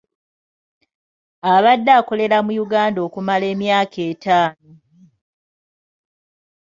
Abadde akolerera mu Uganda okumala emyaka etaano.